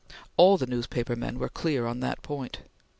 All the newspapermen were clear on that point.